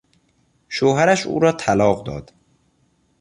شوهرش او را طلاق داد.